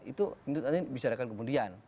itu bisa dikatakan kemudian